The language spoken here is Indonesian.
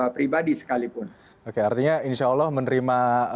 pribadi sekalipun oke artinya insyaallah menerima